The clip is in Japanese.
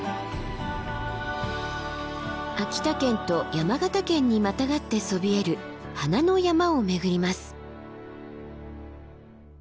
秋田県と山形県にまたがってそびえる花の山を巡ります。